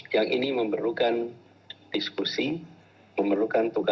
yang ini memerlukan diskusi memerlukan tukar pikiran memerlukan perdebatan